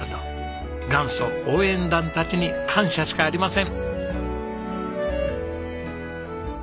元祖応援団たちに感謝しかありません。